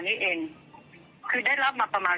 มันเปิดได้เพราะเรามีรหัส